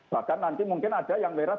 bahkan nanti mungkin ada yang merah